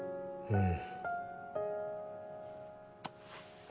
うん。